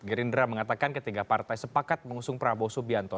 gerindra mengatakan ketiga partai sepakat mengusung prabowo subianto